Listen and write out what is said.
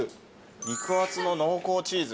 肉厚の濃厚チーズ？